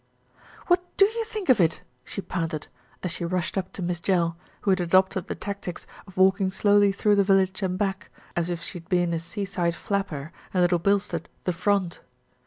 "What do you think of it?" she panted, as she rushed up to Miss Jell, who had adopted the tactics of walking slowly through the village and back, as if she had been a seaside flapper, and Little Bilstead "the front."